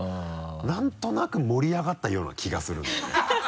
何となく盛り上がったような気がするんだよね。